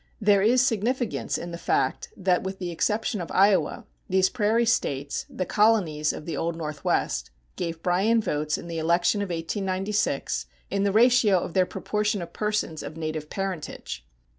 There is significance in the fact that, with the exception of Iowa, these prairie States, the colonies of the Old Northwest, gave Bryan votes in the election of 1896 in the ratio of their proportion of persons of native parentage.